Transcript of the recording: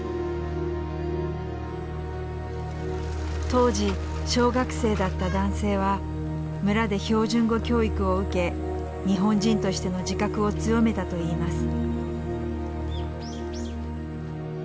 当時小学生だった男性は村で標準語教育を受け日本人としての自覚を強めたと言います。